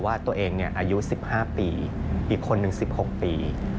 ว่าตัวเองอายุ๑๕ปีอีกคนหนึ่ง๑๖ปี